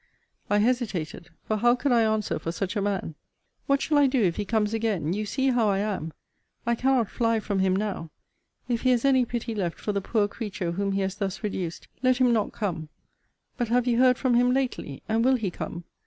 I hesitated: For how could I answer for such a man? What shall I do, if he comes again? You see how I am. I cannot fly from him now If he has any pity left for the poor creature whom he has thus reduced, let him not come. But have you heard from him lately? And will he come?